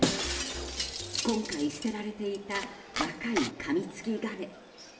今回、捨てられていた若いカミツキガメ。